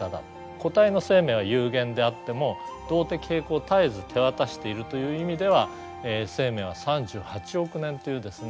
個体の生命は有限であっても動的平衡は絶えず手渡しているという意味では生命は３８億年というですね